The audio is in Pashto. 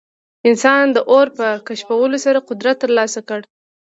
انسان د اور په کشفولو سره قدرت ترلاسه کړ.